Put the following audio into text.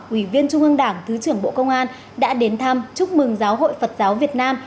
ủy viên trung ương đảng thứ trưởng bộ công an đã đến thăm chúc mừng giáo hội phật giáo việt nam